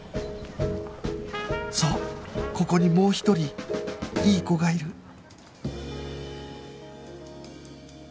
そうここにもう一人いい子がいる